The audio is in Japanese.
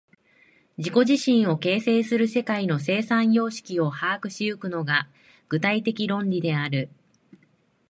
自己自身を形成する世界の生産様式を把握し行くのが、具体的論理である。